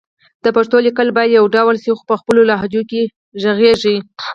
د پښتو لیکل باید يو ډول شي خو په خپلو لهجو دې غږېږي